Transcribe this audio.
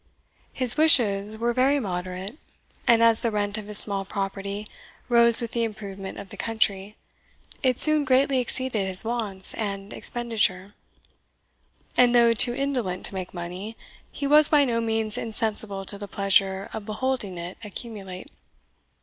His wishes were very moderate; and as the rent of his small property rose with the improvement of the country, it soon greatly exceeded his wants and expenditure; and though too indolent to make money, he was by no means insensible to the pleasure of beholding it accumulate.